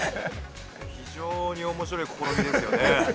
非常におもしろい試みですよね。